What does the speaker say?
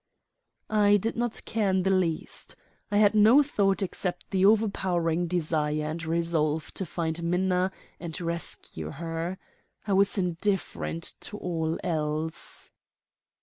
I did not care in the least. I had no thought except the overpowering desire and resolve to find Minna and rescue her. I was indifferent to all else.